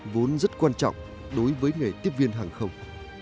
vốn rất quan trọng đối với nghề tiếp viên hàng không